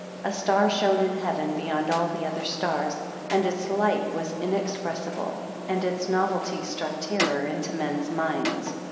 A star shone in heaven beyond all the other stars, and its light was inexpressible, and its novelty struck terror into men's minds.